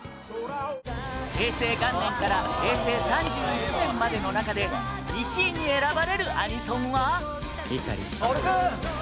平成元年から平成３１年までの中で１位に選ばれるアニソンは